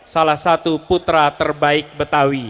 salah satu putra terbaik betawi